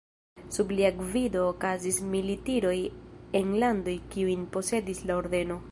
Sub lia gvido okazis militiroj en landoj kiujn posedis la ordeno.